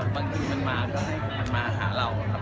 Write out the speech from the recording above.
บางทีมันมาก็มันมาหาเราครับ